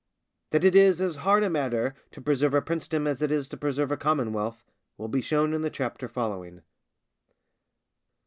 That it is as hard a matter to preserve a princedom as it is to preserve a commonwealth, will be shown in the Chapter following.